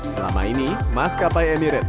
selama ini maskapai emirates